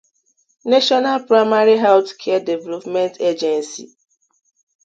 'National Primary Health Care Development Agency'